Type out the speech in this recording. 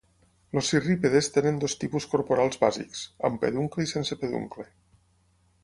Els cirrípedes tenen dos tipus corporals bàsics: amb peduncle i sense peduncle.